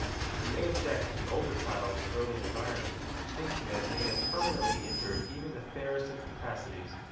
You may object to the older child's early environment, thinking that it must have permanently injured even the fairest of capacities.